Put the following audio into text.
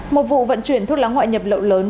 một vụ vận chuyển thuốc lá ngoại nhập lậu lớn